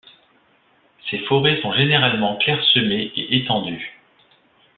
Ces forêts sont généralement clairsemées et étendues.